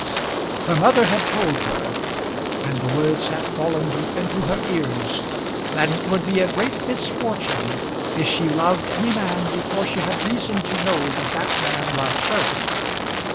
Her mother had told her, and the words had fallen deep into her ears, that it would be a great misfortune if she loved any man before she had reason to know that that man loved her.